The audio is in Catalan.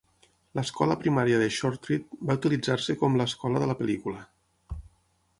L'escola primària de Shortreed va utilitzar-se com l'escola de la pel·lícula.